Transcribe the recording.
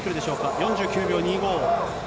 ４９秒２５。